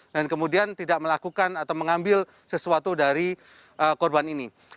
dan kemudian tidak melakukan atau mengambil sesuatu dari korban ini